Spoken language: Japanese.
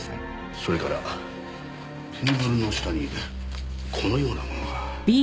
それからテーブルの下にこのようなものが。